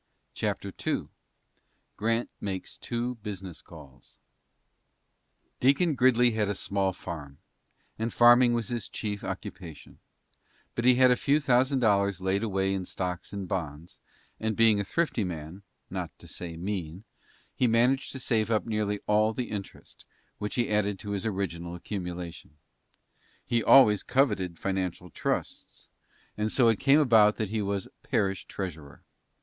CHAPTER II GRANT MAKES TWO BUSINESS CALLS Deacon Gridley had a small farm, and farming was his chief occupation, but he had a few thousand dollars laid away in stocks and bonds, and, being a thrifty man, not to say mean, he managed to save up nearly all the interest, which he added to his original accumulation. He always coveted financial trusts, and so it came about that he was parish treasurer.